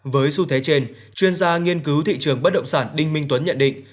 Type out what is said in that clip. với xu thế trên chuyên gia nghiên cứu thị trường bất động sản đinh minh tuấn nhận định